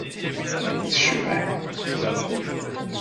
Tecbeḥ.